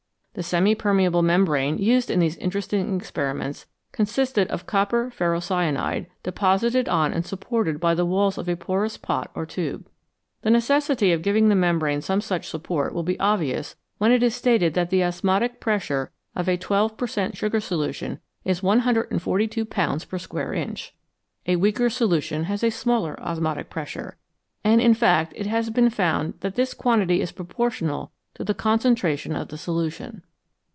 The semi permeable membrane used in these interesting experiments consisted of copper ferrocyanide, deposited on and supported by the walls of a porous pot or tube. The necessity of giving the membrane some such support will be obvious when it is stated that the osmotic pressure of a 12 per cent, sugar solution is 142 pounds per square inch. A weaker solution has a smaller osmotic pressure ; and, in fact, it has been found that this quantity is proportional to the concentration of the solution.